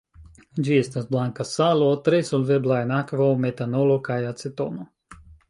Ĝi estas blanka salo, tre solvebla en akvo, metanolo kaj acetono.